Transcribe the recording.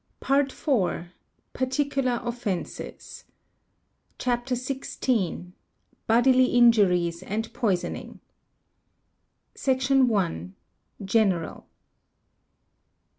PART IV.—PARTICULAR OFFENCES. CHAPTER XVI. : BODILY INJURIES AND POISONING. Section i.—General.